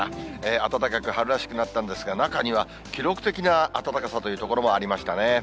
暖かく春らしくなったんですが、中には記録的な暖かさという所もありましたね。